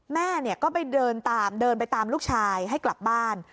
แม่ก็ไปเดินตามลูกชายให้กลับบ้าน